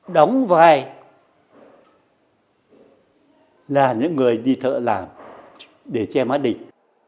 đóng vai là những người đi thợ làm để che mắt địch